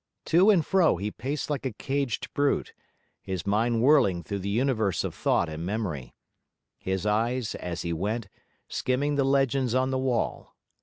To and fro he paced like a caged brute; his mind whirling through the universe of thought and memory; his eyes, as he went, skimming the legends on the wall.